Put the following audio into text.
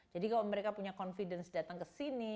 jadi kalau mereka punya confidence datang ke sini